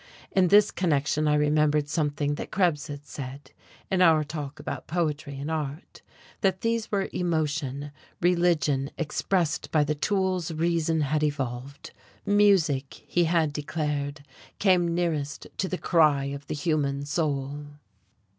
In this connection I remembered something that Krebs had said in our talk about poetry and art, that these were emotion, religion expressed by the tools reason had evolved. Music, he had declared, came nearest to the cry of the human soul....